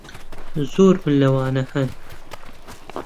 زۆرم لەوانە ھەن.